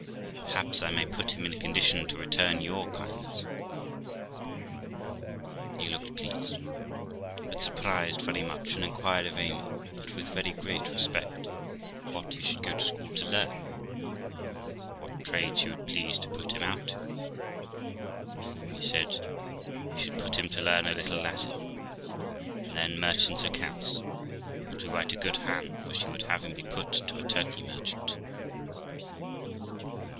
Perhaps I may put him in a condition to return your kindness.' THE LIFE OF ROXANA 307 i He looked pleased, but surprised very much, and inquired of Amy, but with very great respect, what he should go to school to learn, and what trade she would please to put him out to. Amy said he should put him to learn a little Latin, and then merchants' accounts, and to write a good hand, for she would have him be put to a Turkey merchant.